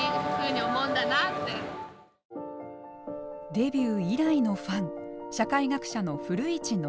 デビュー以来のファン社会学者の古市憲寿さん。